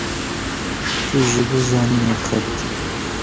Tu ji bo zanînê dixebitî.